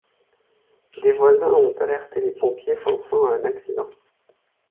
Des voisins ont alerté les pompiers pensant à un accident.